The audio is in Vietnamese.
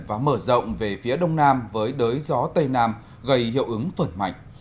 và mở rộng về phía đông nam với đới gió tây nam gây hiệu ứng phần mạnh